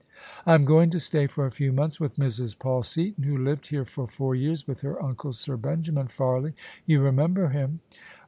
" I am going to stay for a few months with Mrs. Paul Seaton, who lived here for four years with her uncle, Sir Benjamin Farley You remember him?